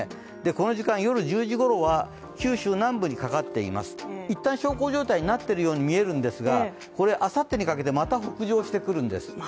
この時間、夜１０時ごろは九州南部にかかっています、いったん小康状態になっているように見えますがこれ、あさってにかけてまた北上してくるんです。